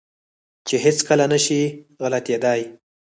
چې هېڅ کله نه شي غلطېداى.